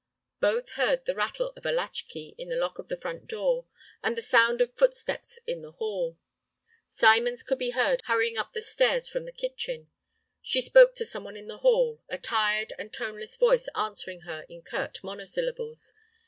Both heard the rattle of a latch key in the lock of the front door, and the sound of footsteps in the hall. Symons could be heard hurrying up the stairs from the kitchen. She spoke to some one in the hall, a tired and toneless voice answering her in curt monosyllables.